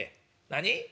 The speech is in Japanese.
何？